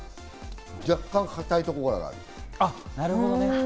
若干硬いところがある。